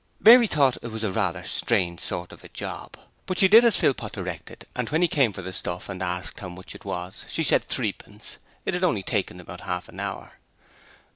Mary thought it was rather a strange sort of job, but she did as Philpot directed and when he came for the stuff and asked how much it was she said threepence: it had only taken about half an hour.